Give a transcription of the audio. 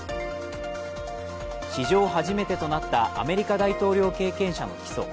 史上初めてとなったアメリカ大統領経験者の起訴。